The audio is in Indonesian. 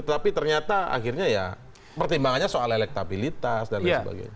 tapi ternyata akhirnya ya pertimbangannya soal elektabilitas dan lain sebagainya